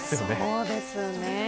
そうですね。